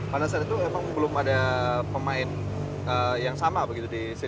pada saat itu emang belum ada pemain yang sama begitu disini